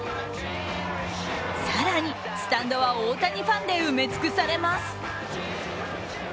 更にスタンドは大谷ファンで埋め尽くされます。